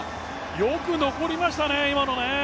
よく残りましたね、今のね。